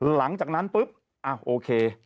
หลังจากนั้นปุ๊บโอเค